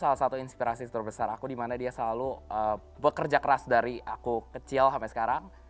salah satu inspirasi terbesar aku di mana dia selalu bekerja keras dari aku kecil sampai sekarang